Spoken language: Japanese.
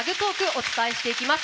お伝えしていきます。